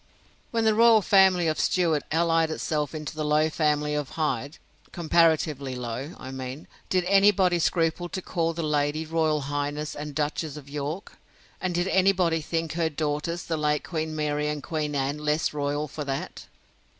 When the royal family of Stuart allied itself into the low family of Hyde, (comparatively low, I mean,) did any body scruple to call the lady, Royal Highness, and Duchess of York? And did any body think her daughters, the late Queen Mary and Queen Anne, less royal for that?